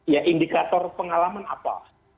ya indikator pengalaman apa